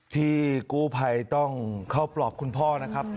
พี่กู้ภัยต้องเข้าปลอบคุณพ่อนะครับ